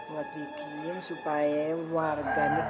buat bikin supaya warga ini